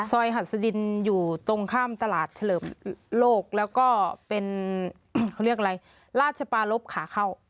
หัดสดินอยู่ตรงข้ามตลาดเฉลิมโลกแล้วก็เป็นเขาเรียกอะไรราชปารพขาเข้า